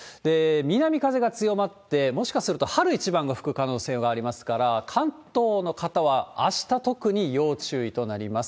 南風が強まって、もしかすると春一番が吹く可能性がありますから、関東の方はあした特に要注意となります。